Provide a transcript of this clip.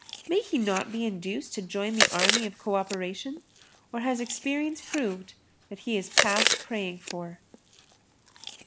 May he not be induced to join the army of co operation, or has experience proved that he is past praying for?